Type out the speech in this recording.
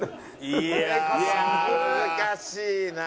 いやあ難しいな。